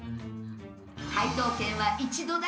解答権は一度だけ！